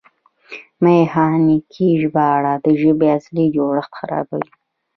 میخانیکي ژباړه د ژبې اصلي جوړښت خرابوي.